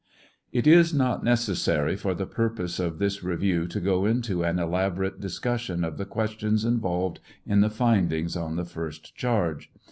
] It is not necessary for the purposes of this review to go into an elaborate dis cussion of the c[uestion involved in the findings on the first charge.